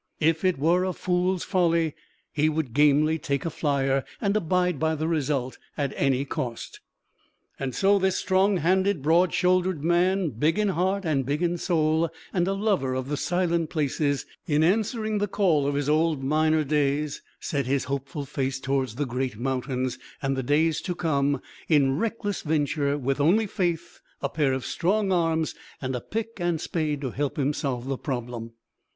If it were a fool's folly, he would gamely take a "flyer" and abide by the result at any cost. So this strong handed, broad shouldered man, big in heart and big in soul and a lover of the silent places, in answering the call of his old miner days, set his hopeful face toward the great mountains and the days to come, in reckless venture, with only faith, a pair of strong arms and a pick and spade to help him solve the problem.